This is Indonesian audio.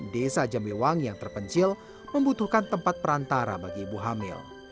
desa jambiwang yang terpencil membutuhkan tempat perantara bagi ibu hamil